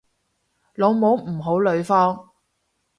老母唔好呂方